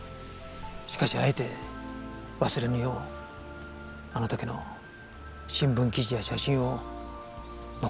しかしあえて忘れぬようあの時の新聞記事や写真を残されていた。